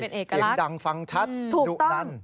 เป็นเอกลักษณ์เสียงดังฟังชัดดุลั้น